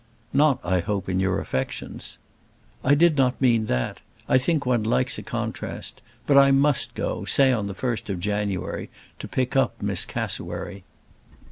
"Not I hope in your affections." "I did not mean that. I think one likes a contrast. But I must go, say on the first of January, to pick up Miss Cassewary."